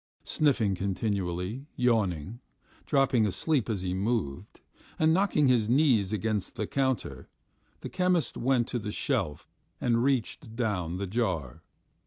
Sniffing continually, yawning, dropping asleep as he moved, and knocking his knees against the counter, the chemist went to the shelf and reached down the jar.